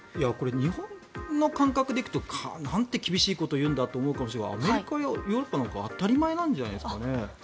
日本の感覚で行くとなんて厳しいことを言うんだと思うかもしれないけどアメリカやヨーロッパなんかは当たり前なんじゃないですかね。